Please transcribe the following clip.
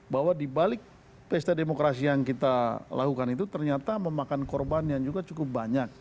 bahwa dibalik pesta demokrasi yang kita lakukan itu ternyata memakan korban yang juga cukup banyak